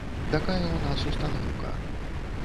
Такая ў нас устаноўка.